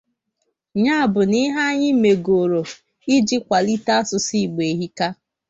Ya bụ na ihe anyị mègoro iji kwàlite asụsụ Igbo ehika